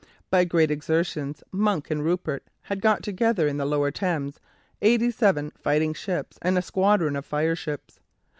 By great exertions Monk and Rupert had got together in the lower Thames eighty seven fighting ships and a squadron of fireships.